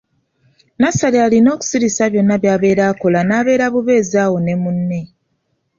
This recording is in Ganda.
Nassali alina okusirisa byonna by'abeera akola n'abeera bubeezi awo ne munne.